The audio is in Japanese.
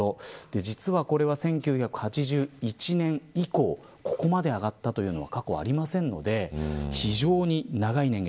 実は、１９８１年以降ここまで上がったのは過去ありませんので非常に、長い年月。